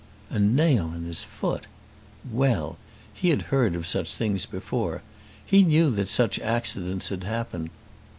A nail in his foot! Well! He had heard of such things before. He knew that such accidents had happened.